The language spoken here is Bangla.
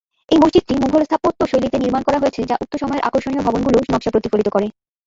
এই মসজিদটি মুঘল স্থাপত্য শৈলীতে নির্মাণ করা হয়েছে, যা উক্ত সময়ের আকর্ষণীয় ভবনগুলো নকশা প্রতিফলিত করে।